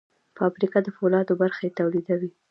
فابریکه د فولادو برخې تولیدوي.